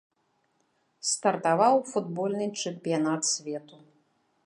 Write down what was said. Стартаваў футбольны чэмпіянат свету.